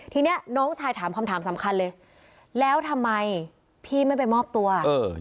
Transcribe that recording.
ทีเนี้ยน้องชายถามคำถามสำคัญเลยแล้วทำไมพี่ไม่ไปมอบตัวเออ